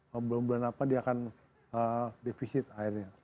belum berapa dia akan defisit airnya